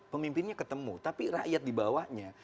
pemimpinnya ketemu tapi rakyat di bawahnya